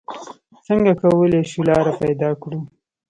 څنګه کولې شو لاره پېدا کړو؟